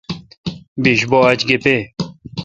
بیش بو آج گپے°۔